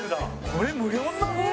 これ無料になるの？」